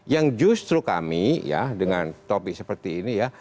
yang justru kami ya dengan topik seperti ini ya